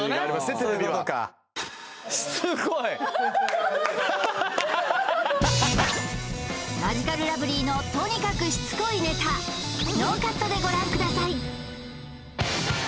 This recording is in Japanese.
テレビはマヂカルラブリーのとにかくしつこいネタノーカットでご覧ください